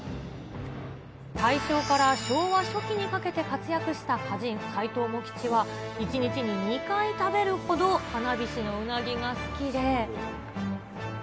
大正から昭和初期にかけて活躍した歌人、斎藤茂吉は１日に２回食べるほど、花菱のうなぎが好きで。